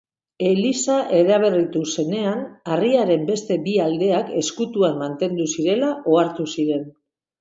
Eliza eraberritu zenean, harriaren beste bi aldeak ezkutuan mantendu zirela ohartu ziren.